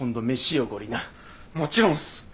もちろんっす。